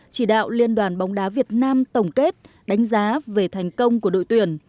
chỉ đạo liên đoàn bóng đá việt nam tổng kết đánh giá về thành công của đội tuyển